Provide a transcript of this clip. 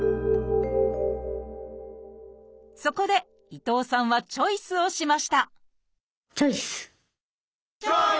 そこで伊藤さんはチョイスをしましたチョイス！